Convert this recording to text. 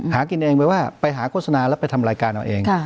หากินเองไปว่าไปหาโฆษณาแล้วไปทำรายการเอาเอง